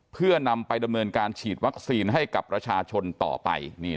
เพื่อนำไปดำเนินการฉีดวัคซีนให้กับประชาชนต่อไป